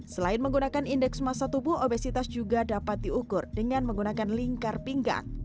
selain menggunakan indeks masa tubuh obesitas juga dapat diukur dengan menggunakan lingkar pinggang